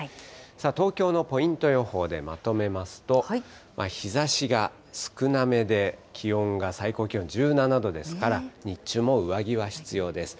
東京のポイント予報でまとめますと、日ざしが少なめで、気温が最高気温１７度ですから、日中も上着は必要です。